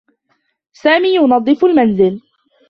سامي ينظّف المنزل.